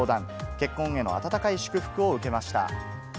結婚への温かい祝福を受けました。